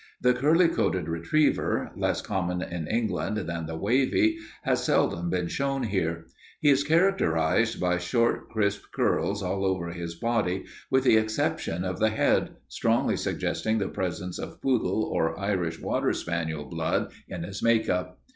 The curly coated retriever, less common in England than the wavy, has seldom been shown here. He is characterized by short, crisp curls all over his body, with the exception of the head, strongly suggesting the presence of poodle or Irish water spaniel blood in his make up.